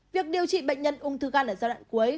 việc điều trị bệnh nhân ung thư gan ở giai đoạn cuối